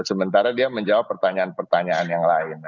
sementara dia menjawab pertanyaan pertanyaan yang lain